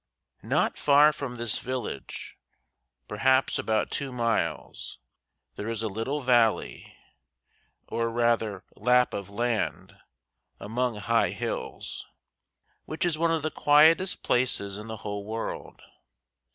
Not far from this village, perhaps about two miles, there is a little valley, or rather lap of land, among high hills, which is one of the quietest places in the whole world.